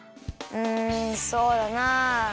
うんそうだなあ。